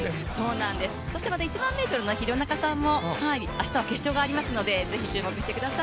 そして、１００００ｍの廣中さんもありますので是非、注目してください。